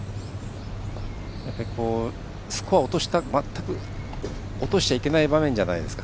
やっぱり、スコアを落としちゃいけない場面じゃないですか。